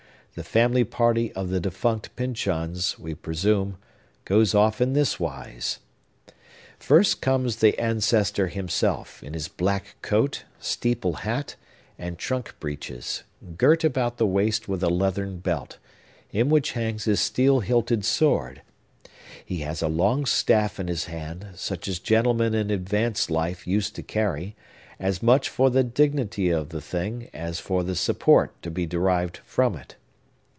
The family party of the defunct Pyncheons, we presume, goes off in this wise. First comes the ancestor himself, in his black cloak, steeple hat, and trunk breeches, girt about the waist with a leathern belt, in which hangs his steel hilted sword; he has a long staff in his hand, such as gentlemen in advanced life used to carry, as much for the dignity of the thing as for the support to be derived from it.